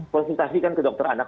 konsultasikan ke dokter anak